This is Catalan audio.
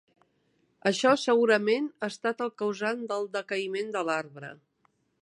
Això segurament ha estat el causant del decaïment de l'arbre.